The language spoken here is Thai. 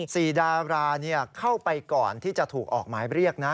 ดาราเข้าไปก่อนที่จะถูกออกหมายเรียกนะ